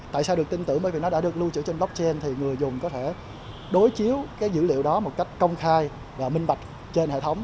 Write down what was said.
tại sao được tin tưởng bởi vì nó đã được lưu trữ trên blockchain thì người dùng có thể đối chiếu cái dữ liệu đó một cách công khai và minh bạch trên hệ thống